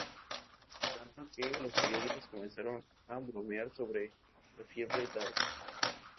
Tanto que, los periódicos comenzaron a bromear sobre 'la fiebre Darcy'".